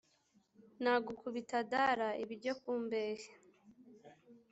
Nagukubita Dara-Ibiryo ku mbehe.